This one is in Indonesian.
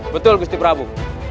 betul gusti prabu